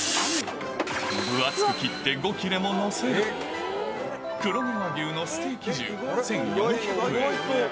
分厚く切って５切れも載せて、黒毛和牛のステーキ重１４００円。